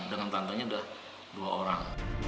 dengan tantanya udah dua orang